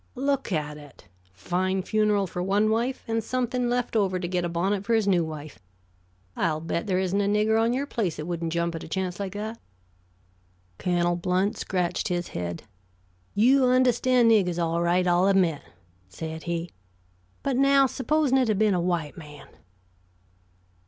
Look at it! Fine funeral for one wife and something left over to get a bonnet for his new wife. I'll bet there isn't a nigger on your place that wouldn't jump at a chance like that." Colonel Blount scratched his head. "You understand niggers all right, I'll admit," said he. "But, now, supposin' it had been a white man?"